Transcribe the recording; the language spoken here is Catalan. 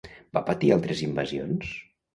Va patir altres invasions?